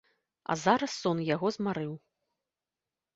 А зараз сон яго змарыў.